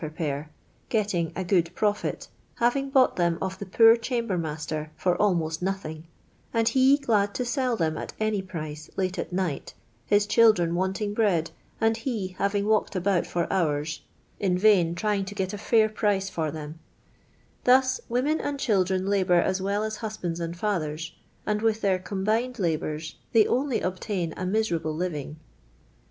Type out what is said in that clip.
per pair, getting a good profit, having bought them of the poor chamber master for almost nothing, and he glad to sell them at any price, kte at night, his children wanting bread, and he having walked about for hours, in vain trying to get a fair price for them; thus, women and children labour as well as husbands and fathers, and, with their combined kbours, they only obtain a miserable living."